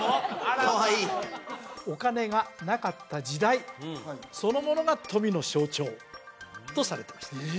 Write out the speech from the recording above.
あらかわいいお金がなかった時代そのものが富の象徴とされてましたえ！？